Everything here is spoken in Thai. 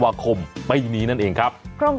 แล้วนั้นคุณก็จะได้รับเงินเข้าแอปเป๋าตังค์